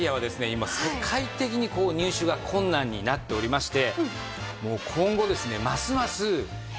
今世界的に入手が困難になっておりまして。